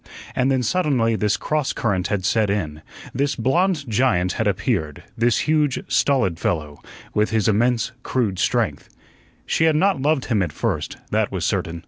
And then suddenly this cross current had set in; this blond giant had appeared, this huge, stolid fellow, with his immense, crude strength. She had not loved him at first, that was certain.